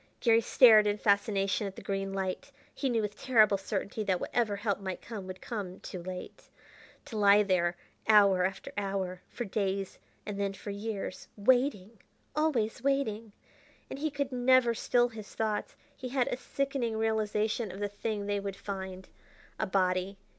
Garry stared in fascination at the green light. He knew with terrible certainty that whatever help might come would come too late. To lie there hour after hour, for days and then for years waiting! always waiting!... And he could never still his thoughts.... He had a sickening realization of the thing they would find. A body!